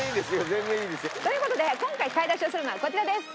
全然いいですよ。という事で今回買い出しをするのはこちらです。